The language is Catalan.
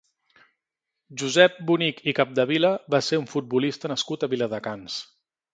Josep Bonich i Capdevila va ser un futbolista nascut a Viladecans.